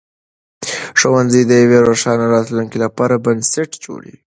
ښوونځي د یوې روښانه راتلونکې لپاره بنسټ جوړوي.